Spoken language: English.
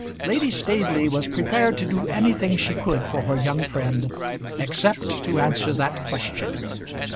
Lady Staveley was prepared to do anything she could for her young friend except to answer that question.